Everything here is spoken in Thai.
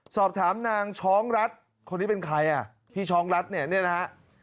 สอบถามนางช้องรัฐคนนี้เป็นใครอ่ะพี่ช้องรัฐเนี่ยเนี่ยนะฮะ